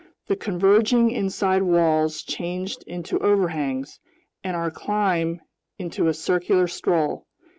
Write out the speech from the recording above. The converging inside walls changed into overhangs, and our climb into a circular stroll.